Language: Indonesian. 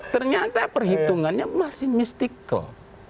ternyata perhitungannya masih mystical